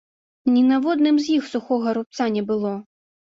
Ні на водным з іх сухога рубца не было.